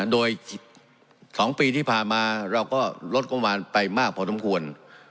โดย๒ปีที่ผ่านมาเราก็ลดงบประมาณไปมากพอสมควร